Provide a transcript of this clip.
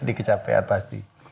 dikit capek pasti